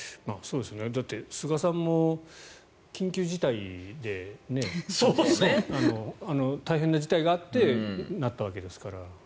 だって、菅さんも緊急事態で大変な事態があってなったわけですから。